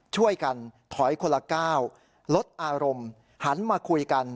ช่วยกันถอยคนละก้าวลดอารมณ์หันมาคุยกัน